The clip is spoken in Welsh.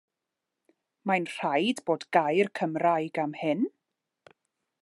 Mae'n rhaid bod gair Cymraeg am hyn?